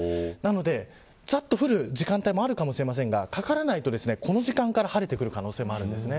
なので、ざっと降る時間帯もあるかもしれませんがかからないと、この時間から晴れてくる可能性もあります。